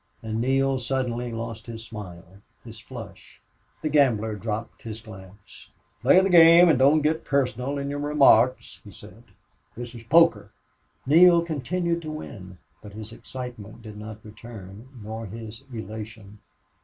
And Neale suddenly lost his smile, his flush. The gambler dropped his glance. "Play the game and don't get personal in your remarks," he said. "This is poker." Neale continued to win, but his excitement did not return, nor his elation.